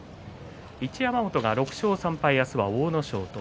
一山本、６勝３敗明日は阿武咲と。